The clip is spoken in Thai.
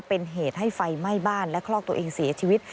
เป็นเหตุให้ไฟไหม้บ้านและคลอกตัวเองเสียชีวิต